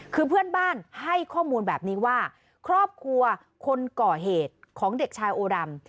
คือเพื่อนบ้านให้ข้อมูลแบบนี้ว่าครอบครัวคนก่อเหตุของเด็กชายโอดำ